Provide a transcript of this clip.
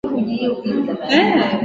ametangaza kukifungia chama cha rcd